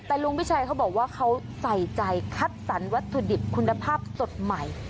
แต่ลุงพิชัยเขาบอกว่าเขาใส่ใจคัดสรรวัตถุดิบคุณภาพสดใหม่